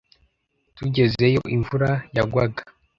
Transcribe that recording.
Tugezeyo imvura yagwaga.